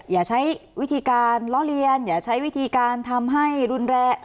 อย่าใช้วิธีการล้อเลียนอย่าใช้วิธีการทำให้รุนแรง